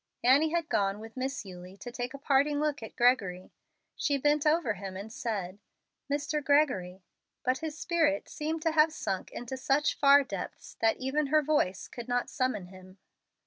Annie had gone with Miss Eulie to take a parting look at Gregory. She bent over him and said, "Mr. Gregory," but his spirit seemed to have sunk into such far depths that even her voice could not summon him.